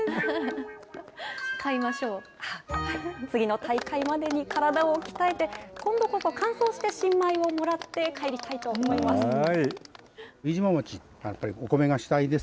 次の大会までに体を鍛えて、今度こそ完走して新米をもらって帰りたいと思います。